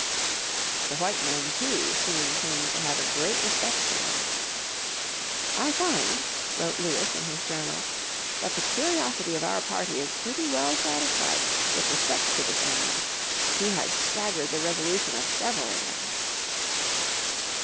The white men too soon came to have a great respect for them. "I find," wrote Lewis, in his journal, "that the curiosity of our party is pretty well satisfied with respect to this animal. He has staggered the resolution of several of them."